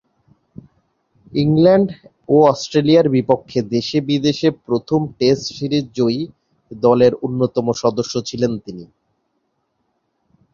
England ও অস্ট্রেলিয়ার বিপক্ষে দেশে-বিদেশে প্রথম টেস্ট সিরিজ জয়ী দলের অন্যতম সদস্য ছিলেন তিনি।